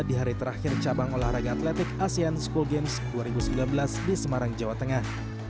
di hari terakhir cabang olahraga atletik asean school games dua ribu sembilan belas di semarang jawa tengah